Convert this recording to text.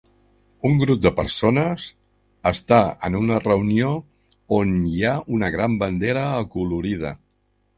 Un grup de persones està en una reunió on hi ha una gran bandera acolorida